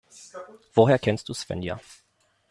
Woher kennst du Svenja?